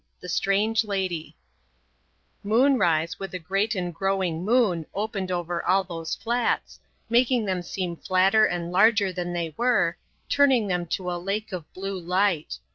THE STRANGE LADY Moonrise with a great and growing moon opened over all those flats, making them seem flatter and larger than they were, turning them to a lake of blue light.